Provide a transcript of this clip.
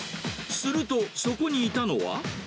するとそこにいたのは。